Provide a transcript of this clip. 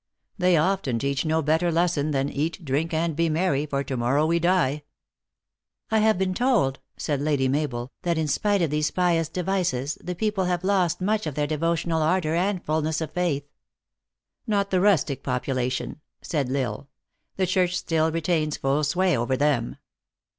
They often teach no better lesson than Eat, drink, and be merry, for to morrow we die. " I have been told, 1 said Lady Mabel, " that in spite of these pious devices, the people have lost much of their devotional ardor and fullness of faith." "Not the rustic population," said L Isle; "the church still retains full sway over them."